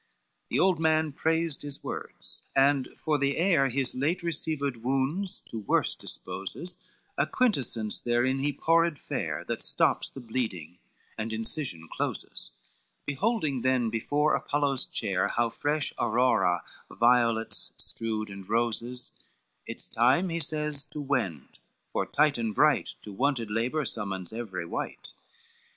XIV The old man praised his words, and for the air His late received wounds to worse disposes, A quintessence therein he poured fair, That stops the bleeding, and incision closes: Beholding then before Apollo's chair How fresh Aurora violets strewed and roses, "It's time," he says, "to wend, for Titan bright To wonted labor summons every wight."